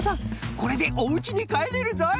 これでおうちにかえれるぞい。